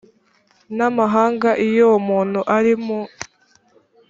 n amahanga iyo uwo muntu ari mu